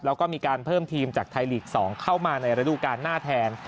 แล้วก็มีการเพิ่มทีมจากไทยลีก๒เข้ามาในระดูการหน้าแทน